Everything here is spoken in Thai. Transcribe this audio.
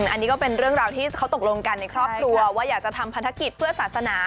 อันนี้ก็เป็นเรื่องราวที่เขาตกลงกันในครอบครัวว่าอยากจะทำภารกิจเพื่อศาสนา